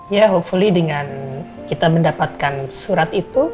ya hopefully dengan kita mendapatkan surat itu